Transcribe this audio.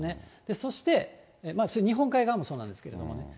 そして、日本海側もそうなんですけどもね。